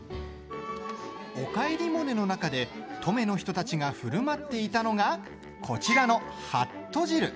「おかえりモネ」の中で登米の人たちがふるまっていたのがこちらの、はっと汁。